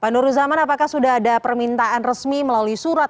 pak nuruzaman apakah sudah ada permintaan resmi melalui surat